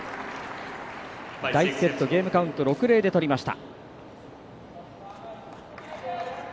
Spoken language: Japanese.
第１セットゲームカウント６−０で取りました。